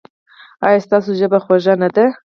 ایا ستاسو ژبه خوږه نه ده؟